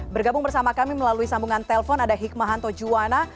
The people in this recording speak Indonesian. bergabung bersama kami melalui sambungan telpon ada hikmahanto juwana